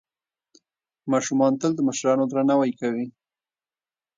ماشومان تل د مشرانو درناوی کوي.